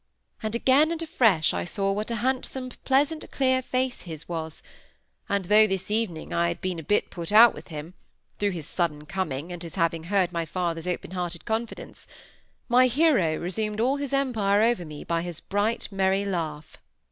And again and afresh I saw what a handsome pleasant clear face his was; and though this evening I had been a bit put out with him—through his sudden coming, and his having heard my father's open hearted confidence—my hero resumed all his empire over me by his bright merry laugh.